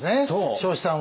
彰子さんは。